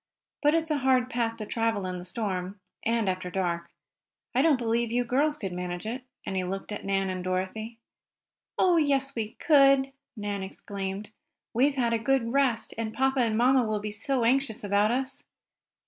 But it's a hard path to travel in the storm, and after dark. I don't believe you girls could manage it," and he looked at Nan and Dorothy. "Oh, yes, we could!" Nan exclaimed. "We've had a good rest, and papa and mamma will be so anxious about us!"